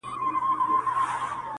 له کلونو دغه آش دغه کاسه وه،